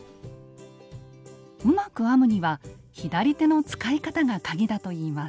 うまく編むには左手の使い方がカギだといいます。